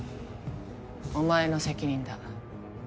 お前の責任だ